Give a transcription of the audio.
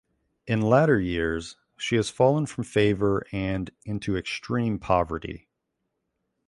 In latter years she has fallen from favor and into extreme poverty.